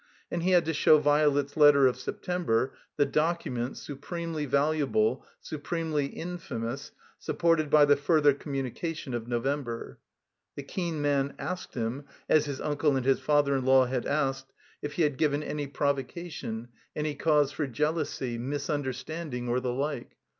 And he had to show Violet's letter of September, the doctunent, supremely valuable, supremely infamous, supported by the further communication of November. The keen man asked him, as his tmcle and his father ia law had asked, if he had given any provocation, any cause for jealousy, misunderstanding, or the like.